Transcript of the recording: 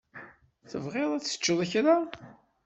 Tebɣiḍ ad teččeḍ kra?